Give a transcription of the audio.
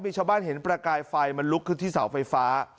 มีชาวบ้านเห็นประกายไฟมันลุกขึ้นที่เสาไฟฟ้า